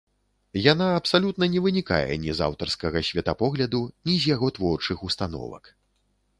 Яна абсалютна не вынікае ні з аўтарскага светапогляду, ні з яго творчых установак.